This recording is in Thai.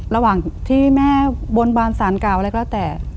ระหว่างที่แม่บนบานสารเก่าอะไรก็แล้วแต่